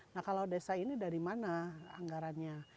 nah kalau desa ini dari mana anggarannya